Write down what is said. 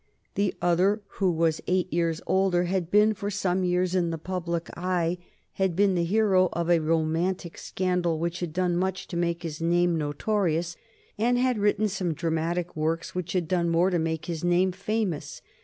The other, who was eight years older, had been for some years in the public eye, had been the hero of a romantic scandal which had done much to make his name notorious, and had written some dramatic works which had done more to make his name famous.